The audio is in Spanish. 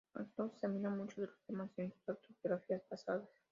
Angelou examina muchos de los temas en sus autobiografías pasadas.